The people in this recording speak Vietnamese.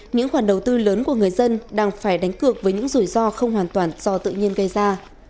những khoản đầu tư lớn của người dân đang phải đánh cược với những rủi ro không hoàn toàn do tự nhiên gây ra